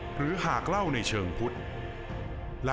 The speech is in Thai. หรือหากเล่าในเชิงพุทธ